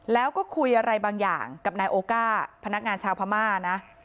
แล้วก็คุยอะไรบางอย่างกับนายโอก้าพนักงานชาวพม่านะ